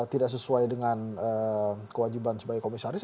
tidak sesuai dengan kewajiban sebagai komisaris